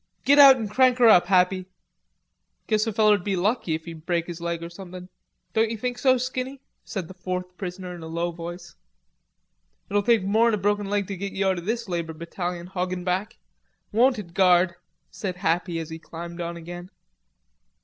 Git out an' crank her up, Happy." "Guess a feller'd be lucky if he'd break his leg or somethin'; don't you think so, Skinny?" said the fourth prisoner in a low voice. "It'll take mor'n a broken leg to git you out o' this labor battalion, Hoggenback. Won't it, guard?" said Happy, as he climbed on again.